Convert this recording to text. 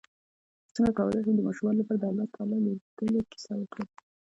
څنګه کولی شم د ماشومانو لپاره د الله تعالی لیدلو کیسه وکړم